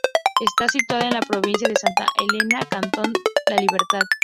Está situada en la Provincia de Santa Elena Cantón La Libertad.